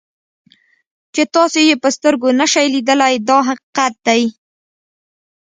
چې تاسو یې په سترګو نشئ لیدلی دا حقیقت دی.